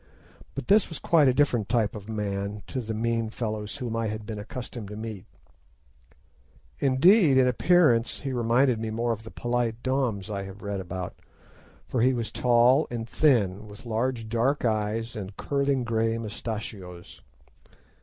But this was quite a different type of man to the mean fellows whom I had been accustomed to meet; indeed, in appearance he reminded me more of the polite doms I have read about, for he was tall and thin, with large dark eyes and curling grey mustachios.